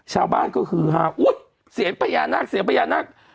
ชาวบ้านก็คือ๕หู้วเศรษฐ์พญานักเศรษฐ์พญานัก